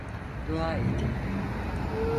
Dua edin.